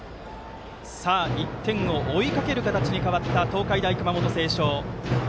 １点を追いかける形に変わった東海大熊本星翔。